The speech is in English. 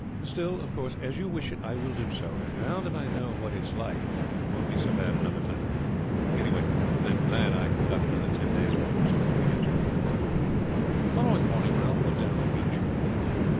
Still, of course, as you wish it, I will do so; and now that I know what it is like it won't be so bad another time. Anyhow, I am glad I have got another ten days before school begins." The following morning Ralph went down to the beach.